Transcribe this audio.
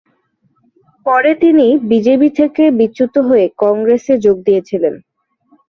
পরে তিনি বিজেপি থেকে বিচ্যুত হয়ে কংগ্রেসে যোগ দিয়েছিলেন।